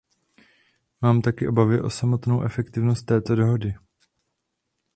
Mám taky obavy o samotnou efektivnost této dohody.